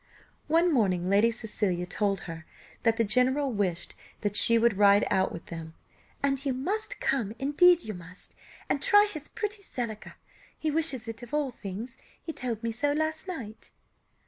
One morning Lady Cecilia told her that the general wished that she would ride out with them, "and you must come, indeed you must, and try his pretty Zelica; he wishes it of all things, he told me so last night."